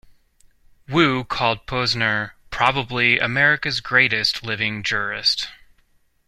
Wu called Posner probably America's greatest living jurist.